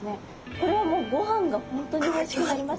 これはもうごはんが本当に欲しくなりますね。